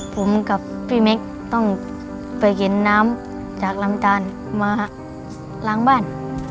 ผมกับพี่เม็กต้องไปเห็นน้ำจากลำตาลมาล้างบ้าน